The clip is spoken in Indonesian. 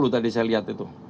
tadi saya lihat itu